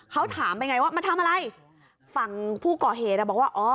เขาถามไปไงว่ามาทำอะไรฝั่งผู้ก่อเหตุอ่ะบอกว่าอ๋อ